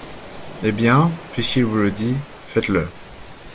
Eh bien, puisqu’il vous le dit… faites-le…